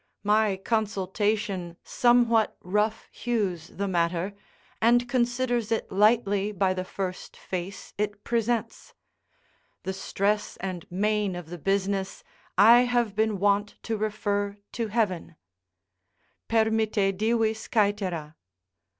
My consultation somewhat rough hews the matter, and considers it lightly by the first face it presents: the stress and main of the business I have been wont to refer to heaven; "Permitte divis caetera."